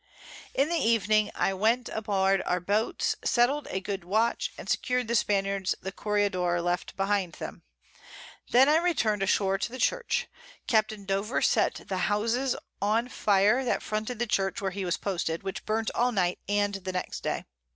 In the Evening I went on board our Barks, settl'd a good Watch, and secur'd the Spaniards the Corregidore left behind him; then I return'd ashore to the Church. Capt. Dover set the Houses on fire that fronted the Church where he was posted, which burnt all Night and the next Day.